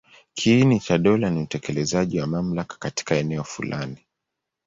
Kiini cha dola ni utekelezaji wa mamlaka katika eneo fulani.